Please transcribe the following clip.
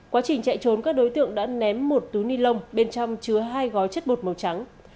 quá trình chạy trốn các đối tượng đã ném một túi ni lông bên trong chứa hai gói chất bột màu trắng